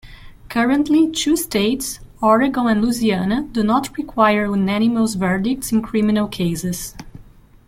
Currently, two states, Oregon and Louisiana, do not require unanimous verdicts in criminal cases.